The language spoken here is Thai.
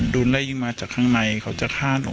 โดนไล่ยิงมาจากข้างในเขาจะฆ่าหนู